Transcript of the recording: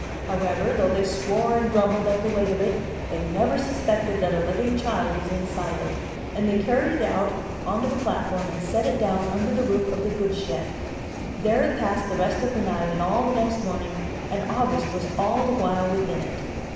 However, though they swore and grumbled at the weight of it, they never suspected that a living child was inside it, and they carried it out on to the platform and set it down under the roof of the goods shed. There it passed the rest of the night and all the next morning, and August was all the while within it.